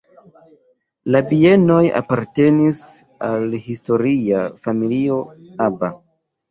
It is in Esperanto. La bienoj apartenis al historia familio "Aba".